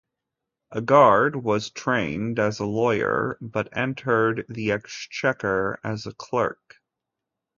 Agarde was trained as a lawyer, but entered the exchequer as a clerk.